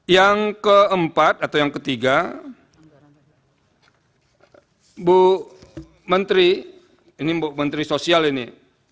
yang keempat atau yang ketiga bu menteri ini bu menteri sosial ini